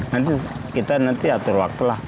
nanti kita nanti atur waktu lah